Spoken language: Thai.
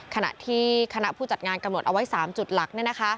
ขณะที่คณะผู้จัดงานกำหนดเอาไว้๓จุดหลัก